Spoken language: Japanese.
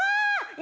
何？